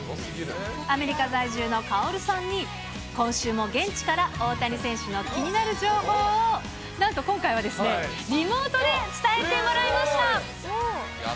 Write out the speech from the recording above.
アメリカ在住のカオルさんに、今週も現地から大谷選手の気になる情報を、なんと今回はリモートで伝えてもらいました。